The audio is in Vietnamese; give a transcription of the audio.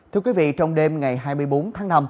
thưa quý vị trong đêm ngày hai mươi bốn tháng năm